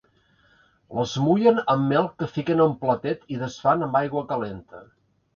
Les mullen amb mel que fiquen a un platet i desfan amb aigua calenta.